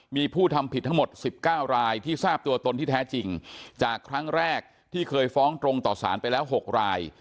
มีผู้ทำผิดทั้งหมด๑๙รายที่ทราบตัวตนที่แท้จริงจากครั้งแรกที่เคยฟ้องตรงต่อสารไปแล้ว๖ราย